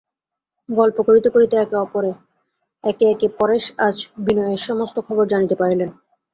গল্প করিতে করিতে একে একে পরেশ আজ বিনয়ের সমস্ত খবর জানিতে পারিলেন।